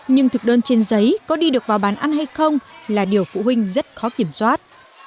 nhưng thực đơn trên giấy có đi được vào bán ăn hay không là điều phụ huynh rất khó kiểm soát